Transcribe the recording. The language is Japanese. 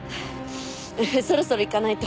そろそろ行かないと。